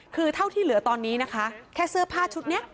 คือเท่าที่เหลือตอนนี้นะคะ